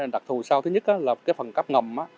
đặc thù sau thứ nhất là cái phần cấp ngầm